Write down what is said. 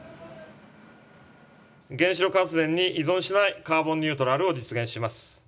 原子力発電に依存しないカーボンニュートラルを実現します。